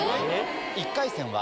１回戦は。